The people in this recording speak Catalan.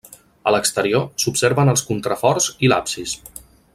A l'exterior, s'observen els contraforts i l'absis.